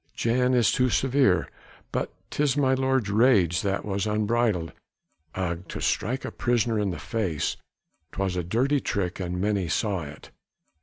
Jan is too severe: but 'tis my lord's rage that was unbridled. Ugh! to strike a prisoner in the face. 'Twas a dirty trick and many saw it.